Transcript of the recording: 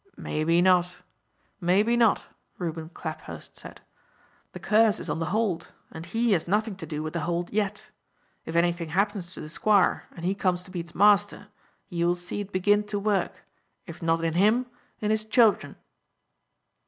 "Maybe not, maybe not," Reuben Claphurst said; "the curse is on The Hold, and he has nothing to do with The Hold yet. If anything happens to the Squire, and he comes to be its master, you will see it begin to work, if not in him, in his children."